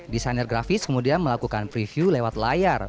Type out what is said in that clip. desainer grafis kemudian melakukan preview lewat layar